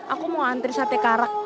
aku mau antri sate karak